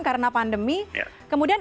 karena pandemi kemudian